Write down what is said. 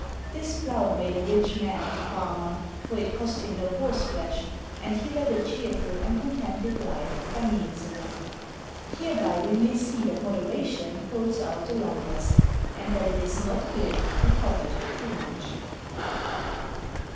This plough made a rich man of the farmer, for it cost him no horse flesh, and he led a cheerful and contented life by means of it. Hereby we may see that moderation holds out the longest, and that it is not good to covet too much.